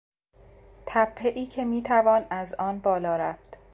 تپهای که میتوان از آن بالا رفت